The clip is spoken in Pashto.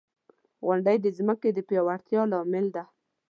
• غونډۍ د ځمکې د پیاوړتیا لامل دی.